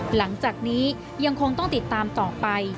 หลังจากนี้ยังคงต้องติดตามต่อไป